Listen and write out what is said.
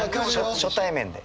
初対面で。